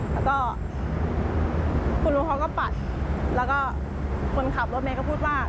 แล้วก็คุณลุงเขาก็ปัดแล้วก็คนขับรถเมย์ก็พูดว่า